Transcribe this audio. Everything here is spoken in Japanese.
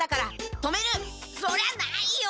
そりゃないよ！